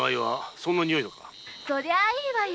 そりゃいいわよ。